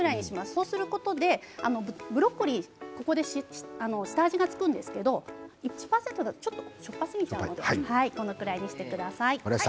そうすることでブロッコリーが下味が付きますけれど１％だとちょっとしょっぱすぎてしまいますのでこれぐらいにしてください